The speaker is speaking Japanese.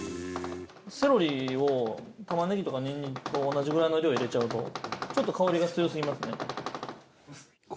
セロリを玉ねぎとかニンニクと同じぐらいの量入れちゃうとちょっと香りが強すぎますね。